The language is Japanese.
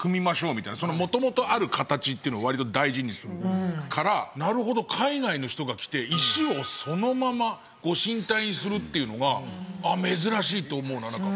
元々ある形っていうのを割と大事にするからなるほど海外の人が来て石をそのまま御神体にするっていうのが珍しいと思うのはなんか。